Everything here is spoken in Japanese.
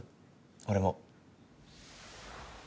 俺も。